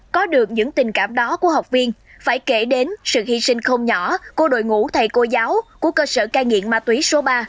có được những tình cảm đó của học viên phải kể đến sự hy sinh không nhỏ của đội ngũ thầy cô giáo của cơ sở cai nghiện ma túy số ba